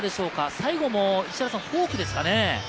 最後もフォークですかね。